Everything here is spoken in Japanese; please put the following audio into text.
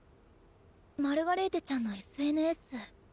マルガレーテちゃんのＳＮＳ。